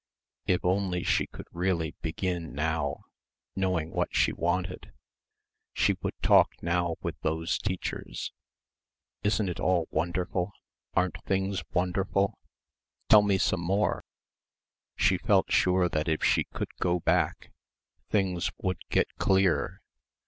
If only she could really begin now, knowing what she wanted.... She would talk now with those teachers.... Isn't it all wonderful! Aren't things wonderful! Tell me some more.... She felt sure that if she could go back, things would get clear.